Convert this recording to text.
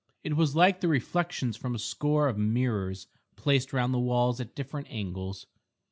It was like the reflections from a score of mirrors placed round the walls at different angles.